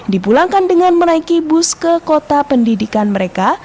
dipulangkan dengan menaiki bus ke kota pendidikan mereka